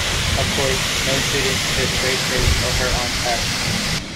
Of course, no student should grade his or her own test.